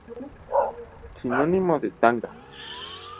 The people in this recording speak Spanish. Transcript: Sinónimo de "tanga".